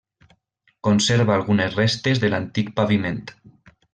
Conserva algunes restes de l'antic paviment.